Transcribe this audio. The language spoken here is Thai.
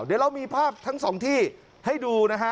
เดี๋ยวเรามีภาพทั้งสองที่ให้ดูนะฮะ